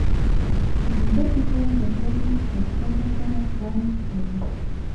پنځۀ کسان لګيا دي پلستر لپاره پرانچ تړي